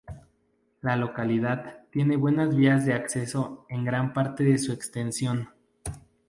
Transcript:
La localidad tiene buenas vías de acceso en gran parte de su extensión.